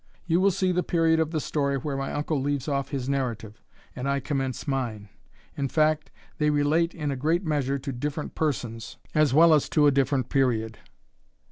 You will see the period of the story where my uncle leaves off his narrative, and I commence mine. In fact, they relate in a great measure to different persons, as well as to a different period."